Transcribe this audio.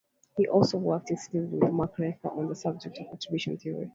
He also worked extensively with Mark Lepper on the subject of attribution theory.